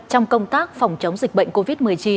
trong công tác phòng chống dịch bệnh covid một mươi chín